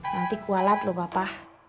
nanti kualat lu papa